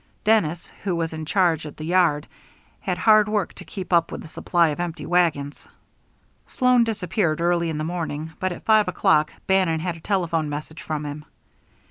Dennis, who was in charge at the yard, had hard work to keep up with the supply of empty wagons. Sloan disappeared early in the morning, but at five o'clock Bannon had a telephone message from him.